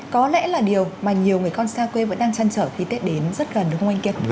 có lẽ là điều mà nhiều người con xa quê vẫn đang chăn trở khi tết đến rất gần đúng không anh kia